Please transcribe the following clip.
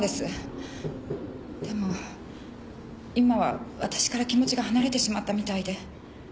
でも今は私から気持ちが離れてしまったみたいで。